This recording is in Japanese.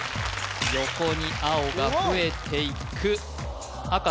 横に青が増えていくワオッ！